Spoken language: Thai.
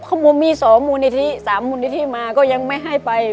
เขามีสามมูลนิธิมาก็ยังไม่ให้ไป